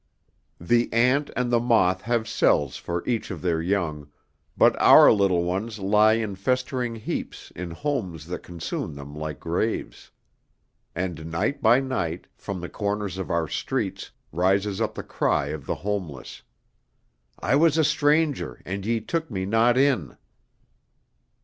XX The ant and the moth have cells for each of their young, but our little ones lie in festering heaps in homes that consume them like graves; and night by night, from the corners of our streets, rises up the cry of the homeless, "I was a stranger and ye took me not in."